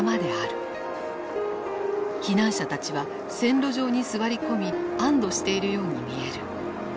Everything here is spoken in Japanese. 避難者たちは線路上に座り込み安どしているように見える。